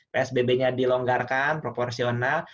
psbb nya dilonggarkan proporsional